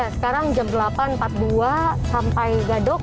sekarang jam delapan empat puluh dua sampai gadok